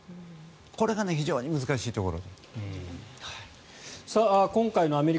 これが非常に難しいところ。